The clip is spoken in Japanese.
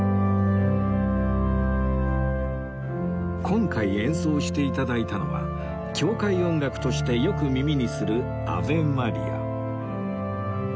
今回演奏して頂いたのは教会音楽としてよく耳にする『アヴェ・マリア』